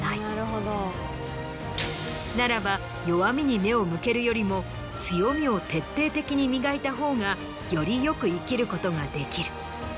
ならば弱みに目を向けるよりも強みを徹底的に磨いたほうがより良く生きることができる。